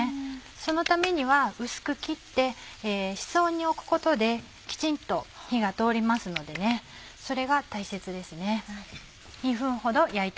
そのためには薄く切って室温に置くことできちんと火が通りますのでそれが大切ですね。